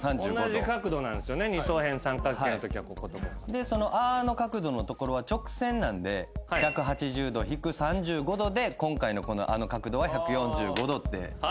でその「あ」の角度のところは直線なんで１８０度引く３５度で今回の「あ」の角度は１４５度。